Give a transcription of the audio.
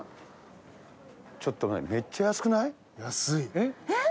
ちょっとめっちゃ安くない？えっ！？